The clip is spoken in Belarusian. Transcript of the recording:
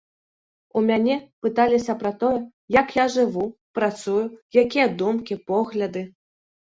У мяне пыталіся пра тое, як я жыву, працую, якія думкі, погляды.